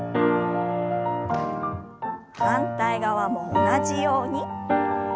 反対側も同じように。